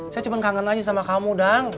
saya cuma kangen aja sama kamu dong